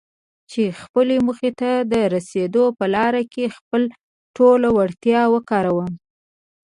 چې خپلې موخې ته د رسېدو په لاره کې خپله ټوله وړتيا وکاروم.